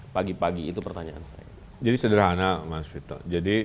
pagi pagi itu pertanyaan saya jadi